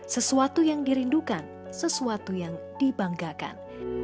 sesuatu yang dirindukan sesuatu yang dibanggakan